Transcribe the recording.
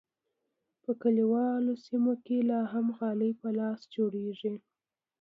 په کلیوالو سیمو کې لا هم غالۍ په لاس جوړیږي.